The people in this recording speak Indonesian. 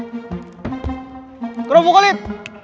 bagaimana kerupuk kulit